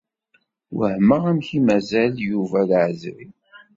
Wehmeɣ amek i d-mazal Yuba d aɛeẓri.